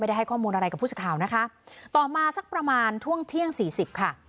ได้ให้ข้อมูลอะไรกับผู้สื่อข่าวนะคะต่อมาสักประมาณช่วงเที่ยงสี่สิบค่ะ